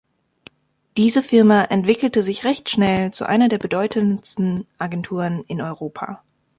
Diese Firma entwickelte sich recht schnell zu einer der bedeutendsten Agenturen in Europa.